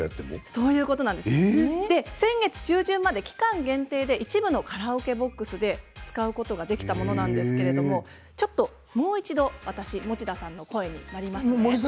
そういうことなんです先月中旬まで期間限定で一部のカラオケボックスで使うことができたものなんですけれどももう一度、私持田さんの声になりますね。